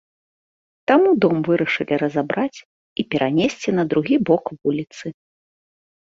Таму дом вырашылі разабраць і перанесці на другі бок вуліцы.